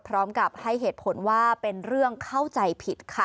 พร้อมกับให้เหตุผลว่าเป็นเรื่องเข้าใจผิดค่ะ